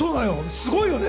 すごいよね。